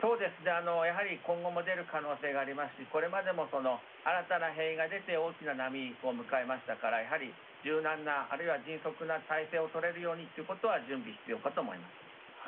今後も出る可能性がありますしこれまでも、新たな変異が出て大きな波を迎えましたからやはり、柔軟なあるいは迅速な態勢をとれるように準備が必要かと思います。